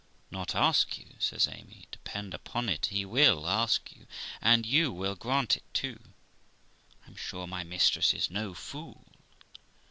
' Not ask you !' says Amy. ' Depend upon it, he will ask you and you will grant it too. I am sure my mistress is no fool.